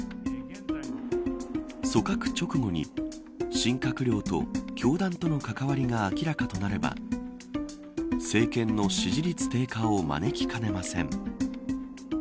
組閣直後に新閣僚と教団との関わりが明らかとなれば政権の支持率低下を招きかねません。